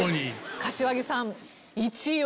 柏木さん１位は？